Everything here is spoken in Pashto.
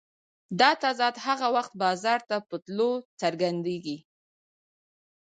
دا تضاد هغه وخت بازار ته په تلو څرګندېږي